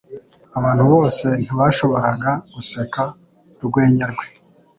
Abantu bose ntibashoboraga guseka urwenya rwe.